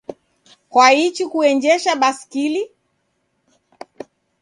Kwaichi kuenjesha baskili?